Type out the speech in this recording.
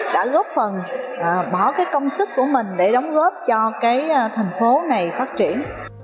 đã góp phần bỏ cái công sức của mình để đóng góp cho cái thành phố này phát triển